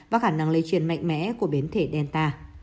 và khả năng lây truyền mạnh mẽ của biến thể delta